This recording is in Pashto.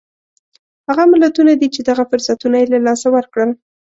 هغه ملتونه دي چې دغه فرصتونه یې له لاسه ورکړل.